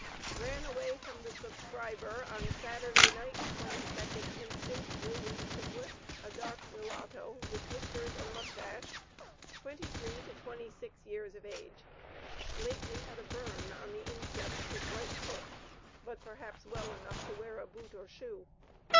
Ran away from the subscriber, on Saturday night, 22d instant, WILLIAM TRIPLETT, a dark mulatto, with whiskers and mustache, 23 to 26 years of age; lately had a burn on the instep of his right foot, but perhaps well enough to wear a boot or shoe.